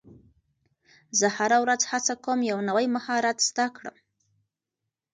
زه هره ورځ هڅه کوم یو نوی مهارت زده کړم